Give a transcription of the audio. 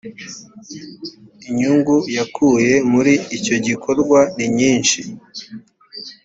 inyungu yakuye muri icyo gikorwa ninyinshi